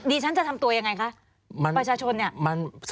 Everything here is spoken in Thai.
ฉันจะทำตัวยังไงคะประชาชนเนี่ย